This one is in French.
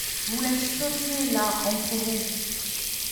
Vous la chuchotiez là entre vous.